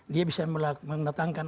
dia bisa menetangkan